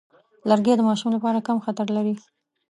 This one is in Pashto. لرګی د ماشوم لپاره کم خطر لري.